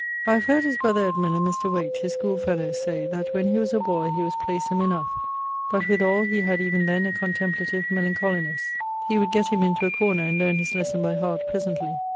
I have heard his brother Edmund and Mr. Wayte (his schoolefellowe) say that when he was a boy he was playsome enough, but withall he had even then a contemplative melancholinesse; he would gett him into a corner, and learne his lesson by heart presently.